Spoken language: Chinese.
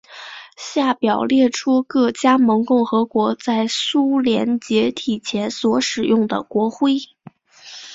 下表列出各加盟共和国在苏联解体前所使用的国徽。